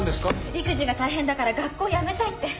育児が大変だから学校やめたいって。